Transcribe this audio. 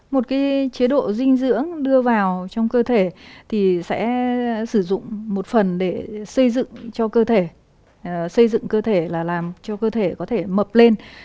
một chế độ dinh dưỡng đưa vào trong cơ thể thì sẽ sử dụng một phần để xây dựng cho cơ thể xây dựng cơ thể là làm cho cơ thể có thể mọc lên